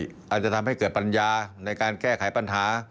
อาจจะทำให้เกิดปัญญาในการแก้ไขปัญหา